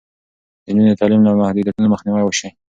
د نجونو د تعلیم له محدودیتونو مخنیوی وشي.